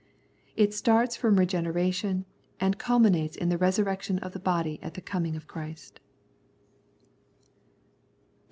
It starts from regeneration and culminates in the resurrection of the body at the Coming of Christ.